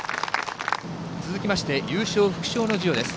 続きまして、優勝副賞の授与です。